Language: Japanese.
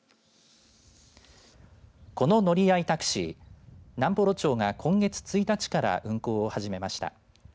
タクシー南幌町が今月１日から運行を始めました。